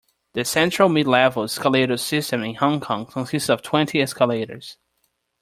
The Central-Midlevels escalator system in Hong Kong consists of twenty escalators.